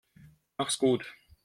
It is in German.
Mach's gut.